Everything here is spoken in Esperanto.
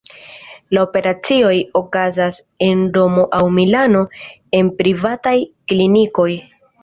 La operacioj okazas en Romo aŭ Milano, en privataj klinikoj.